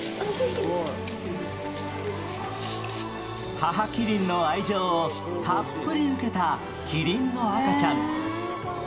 母キリンの愛情をたっぷり受けた、キリンの赤ちゃん。